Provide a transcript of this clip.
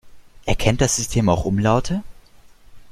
Erkennt das System auch Umlaute?